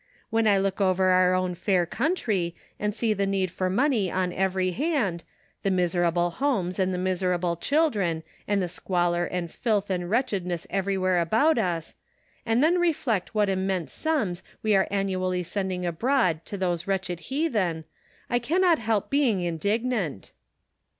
When I look over our own fair country, and see the need for money on every hand ; the miserable homes and the miserable children, and the squalor and filth and wretchedness everywhere about us, and then reflect what immense sums 222 The Pocket Measure. we are annually sending abroad to those wretched heathen, I can not help being in dignant."